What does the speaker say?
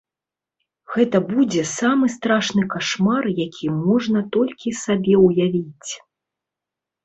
Гэта будзе самы страшны кашмар, які можна толькі сабе ўявіць.